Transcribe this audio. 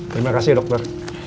terima kasih dokter